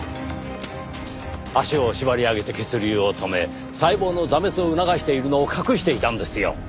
足を縛り上げて血流を止め細胞の挫滅を促しているのを隠していたんですよ。